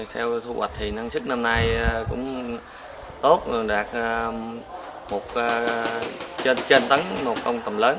theo thu hoạch thì năng suất năm nay cũng tốt đạt trên tấn một công tầm lớn